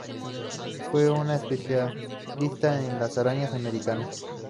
Fue un especialista en las arañas americanas.